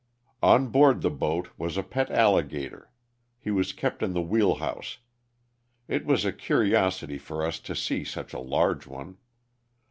On board the boat was a pet alligator. He was kept in the wheel house. It was a curiosity for us to see such a large one.